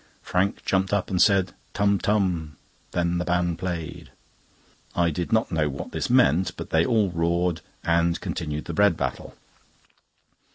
Frank jumped up and said: "Tum, tum; then the band played." I did not know what this meant, but they all roared, and continued the bread battle.